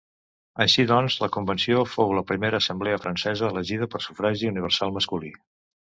Així doncs, la Convenció fou la primera assemblea francesa elegida per sufragi universal masculí.